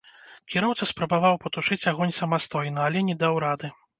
Кіроўца спрабаваў патушыць агонь самастойна, але не даў рады.